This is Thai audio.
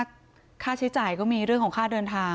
ค่าใช้จ่ายก็มีเรื่องของค่าเดินทาง